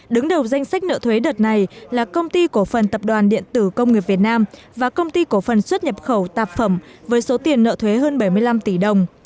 đứng đầu danh sách nợ thuế đợt này là công ty cổ phần tập đoàn điện tử công nghiệp việt nam và công ty cổ phần xuất nhập khẩu tạp phẩm với số tiền nợ thuế hơn bảy mươi năm tỷ đồng